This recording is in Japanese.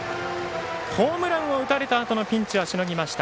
ホームランを打たれたあとのピンチはしのぎました